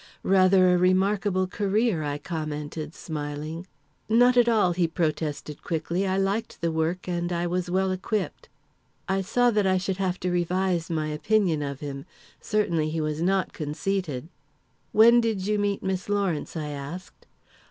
"Rather a remarkable career," I commented, smiling. "Not at all," he protested quickly. "I liked the work, and I was well equipped." I saw that I should have to revise my opinion of him certainly he was not conceited. "When did you meet Miss Lawrence?" I asked.